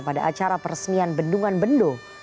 pada acara peresmian bendungan bendo